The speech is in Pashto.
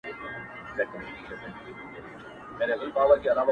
o زلزله په یوه لړزه کړه ـ تر مغوله تر بهرامه ـ